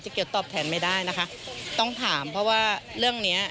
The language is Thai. เกี่ยวตอบแทนไม่ได้นะคะต้องถามเพราะว่าเรื่องเนี้ย